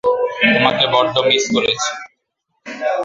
তোমাকে বড্ড মিস করেছি!